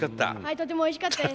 とてもおいしかったです。